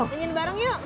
ingin bareng yuk